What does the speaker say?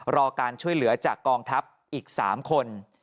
รอการช่วยเหลือจากกองทัพอีก๓คน